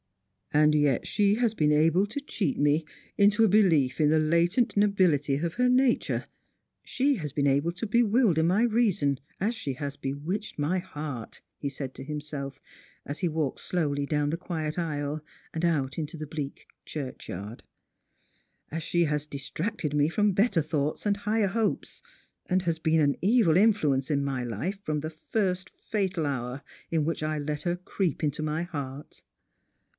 •* And yet she has been able to cheat me into a belief in the Strangers and Pilgrims. 12& latent nobility of her nature; slie has been able to bewilder my reason as she has bewitched my heart," he saidto himself, as he walked slowly down the quiet aisle, and out into the bleak churchyard ;" as she has distracted me from hotter thoughts and higher hopes, and has been an evil influence in my life from the first fatal hour in which I let her creep into my heart."